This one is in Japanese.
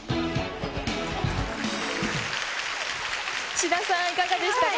志田さん、いかがでしたか。